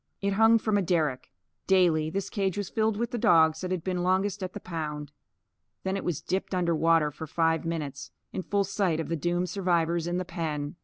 It hung from a derrick. Daily, this cage was filled with the dogs that had been longest at the pound. Then it was dipped under water for five minutes, in full sight of the doomed survivors in the pen.